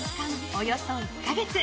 およそ１か月。